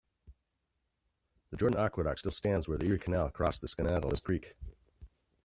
The Jordan Aqueduct still stands where the Erie Canal crossed Skaneateles Creek.